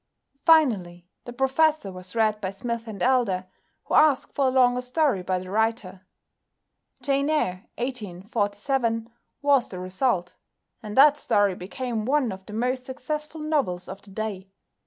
Finally the "Professor" was read by Smith & Elder, who asked for a longer story by the writer. "Jane Eyre" (1847) was the result, and that story became one of the most successful novels of the day.